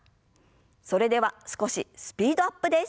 それでは少しスピードアップです。